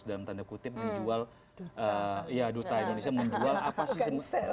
dalam tanda kutip menjual ya duta indonesia menjual apa sih sebenarnya